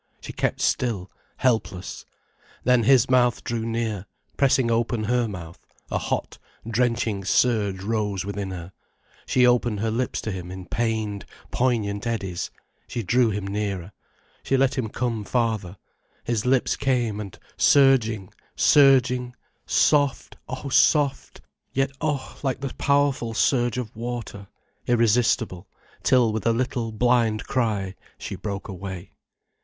She kept still, helpless. Then his mouth drew near, pressing open her mouth, a hot, drenching surge rose within her, she opened her lips to him, in pained, poignant eddies she drew him nearer, she let him come farther, his lips came and surging, surging, soft, oh soft, yet oh, like the powerful surge of water, irresistible, till with a little blind cry, she broke away.